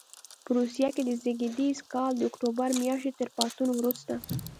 په روسیې کې د زېږدیز کال د اکتوبر میاشتې تر پاڅون وروسته.